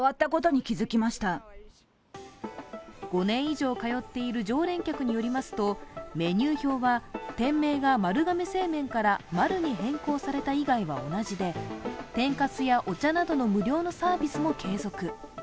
５年以上通っている常連客によりますと、メニュー表は店名が丸亀製麺からマルに変更された以外は同じで天かすやお茶などの無料のサービスも継続。